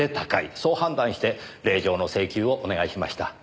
そう判断して令状の請求をお願いしました。